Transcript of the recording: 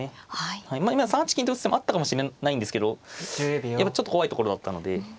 今３八金と打つ手もあったかもしれないんですけどやっぱりちょっと怖いところだったので。